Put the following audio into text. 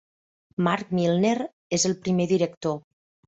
Marc Milner és el primer director.